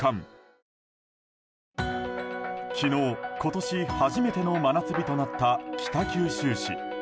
昨日、今年初めての真夏日となった北九州市。